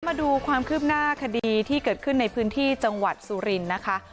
มาดูความคืบหน้าคดีที่เกิดขึ้นในพื้นที่จังหวัดสุรินทร์นะคะ